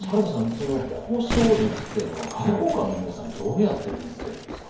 その交渉術っていうのは外交官の皆さんどうやって身につけるんですか？